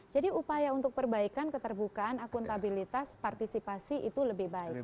jadi upaya untuk perbaikan keterbukaan akuntabilitas partisipasi itu lebih baik